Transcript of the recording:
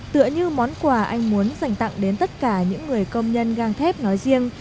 tựa như món quà anh muốn dành tặng đến tất cả những người công nhân gang thép nói riêng